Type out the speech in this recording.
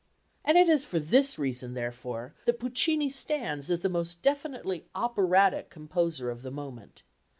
And it is for this reason, therefore, that Puccini stands as the most definitely operatic composer of the moment.